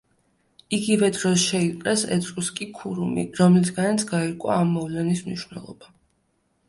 იგივე დროს შეიპყრეს ეტრუსკი ქურუმი, რომლისგანაც გაირკვა ამ მოვლენის მნიშვნელობა.